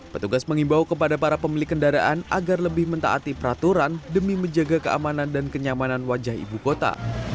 petugas mengimbau kepada para pemilik kendaraan agar lebih mentaati peraturan demi menjaga keamanan dan kenyamanan wajah ibu kota